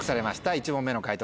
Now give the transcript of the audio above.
１問目の解答